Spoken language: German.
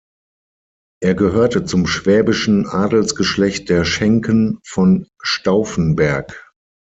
Er gehörte zum schwäbischen Adelsgeschlecht der Schenken von Stauffenberg.